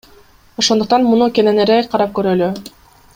Ошондуктан муну кененирээк карап көрөлү.